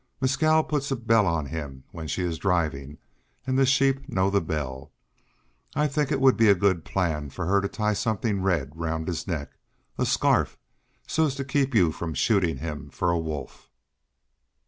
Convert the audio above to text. Mescal puts a bell on him when she is driving, and the sheep know the bell. I think it would be a good plan for her to tie something red round his neck a scarf, so as to keep you from shooting him for a wolf."